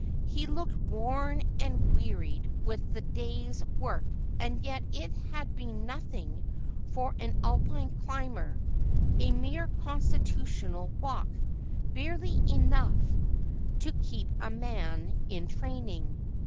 He looked worn and wearied with the day's work, and yet it had been nothing for an Alpine climber ; a mere constitutional walk, barely enough to keep a man in training.